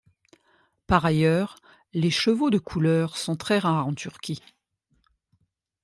Par ailleurs, les chevaux de couleur sont très rares en Turquie.